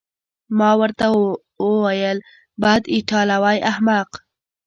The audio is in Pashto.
ما ورته وویل: بد، ایټالوی احمق.